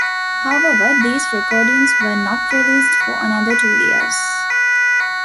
However, these recordings were not released for another two years.